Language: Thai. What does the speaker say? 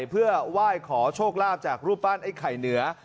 เพื่อไหว้ขอโชคลาภจากรูปปั้นไอ้ไข่เหนือ